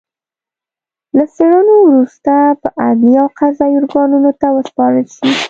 له څېړنو وروسته به عدلي او قضايي ارګانونو ته وسپارل شي